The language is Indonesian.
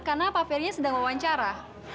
karena pak ferry sedang mewawancara